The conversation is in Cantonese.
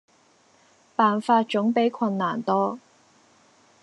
辦法總比困難多